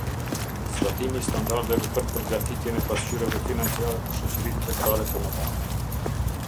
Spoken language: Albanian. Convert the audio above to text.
Zbatimi i standardeve për përgatitjen e pasqyrave financiare për shoqëritë tregtare të mëdha.